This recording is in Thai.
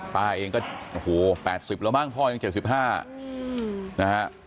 ป้าเองก็๘๐แล้วมากท่อยัง๗๕